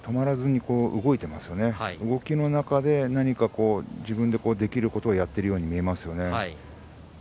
高安は動きの中で自分でできることをやっているように見えますね。